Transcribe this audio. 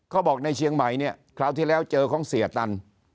เขาบอกในเชียงใหม่เนี่ยคราวที่แล้วเจอของเสียตัน